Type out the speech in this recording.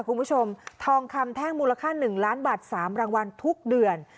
คุณผู้ชมทองคำแท่งมูลค่า๑ล้านบาท๓รางวัลทุกเดือน